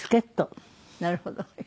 なるほど。